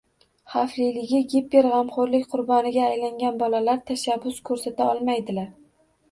Xavfliligi: giperg‘amxo‘rlik qurboniga aylangan bolalar tashabbus ko‘rsata olmaydilar.